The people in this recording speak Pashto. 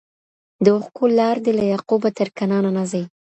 د اوښکو لاړ دي له یعقوبه تر کنعانه نه ځي ..